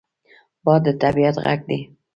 باد د طبعیت غږ دی